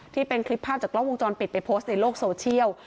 ที่เป็นคลิปภาพจากกล้องวงจรปิดไปโพสต์ในโลกโซเชียล